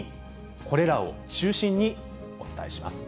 これらを中心にお伝えします。